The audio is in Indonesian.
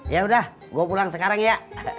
ya udah gue pulang sekarang ya